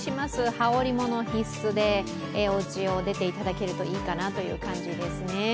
羽織り物必須でおうちを出ていただけるといいかなという感じですね。